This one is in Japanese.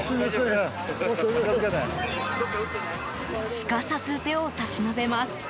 すかさず手を差し伸べます。